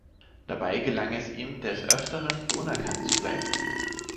Dabei gelang es ihm des Öfteren, unerkannt zu bleiben.